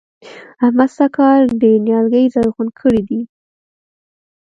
احمد سږ کال ډېر نيالګي زرغون کړي دي.